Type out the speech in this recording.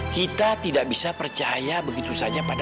kita tidak bisa percaya begitu saja pada